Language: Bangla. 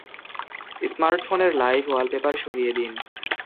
স্মার্টফোনের লাইভ ওয়ালপেপার সরিয়ে দিন।